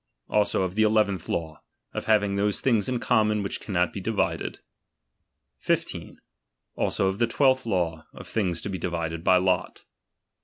Also of the eleventh law, of having those things in common which cannot be divided. 15. Also of the twelfth law, of things to be divided by lot.